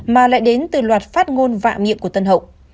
mà lại đến từ loạt phát ngôn vạ miệng của tân hậu